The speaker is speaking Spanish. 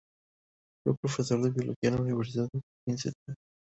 Fue profesor de Biología, en la Universidad de Princeton.